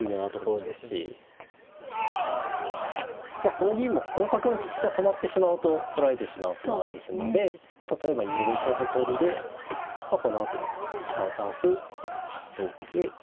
この銀もこの角の利きが止まってしまうと取られてしまう駒ですので例えば２五桂と跳んでこのあとに３三歩同桂５